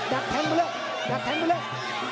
ดักแทงไปเรื่อยดักแทงไปเรื่อย